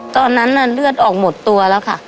ตอนนั้นเลือดออกหมดตัวแล้วค่ะ